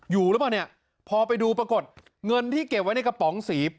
อยู่หรือเปล่าเนี่ยพอไปดูปรากฏเงินที่เก็บไว้ในกระป๋องสี